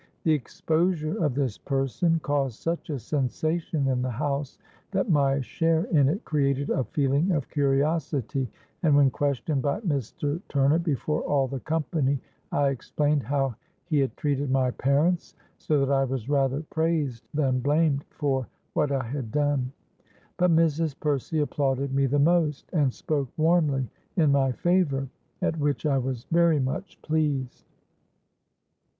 The exposure of this person caused such a sensation in the house, that my share in it created a feeling of curiosity; and, when questioned by Mr. Turner before all the company, I explained how he had treated my parents, so that I was rather praised than blamed for what I had done. But Mrs. Percy applauded me the most, and spoke warmly in my favour—at which I was very much pleased.